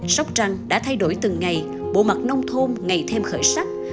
sóc trăng đã thay đổi từng ngày bộ mặt nông thôn ngày thêm khởi sắc